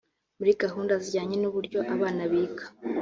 muri gahunda zijyanye n’uburyo abana biga